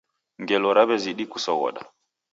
Ngelo raw'ezidi kusoghoda.